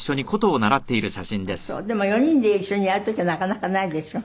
でも４人で一緒にやる時はなかなかないでしょ？